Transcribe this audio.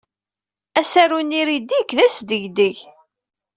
Asaru-nni Riddick d asdegdeg!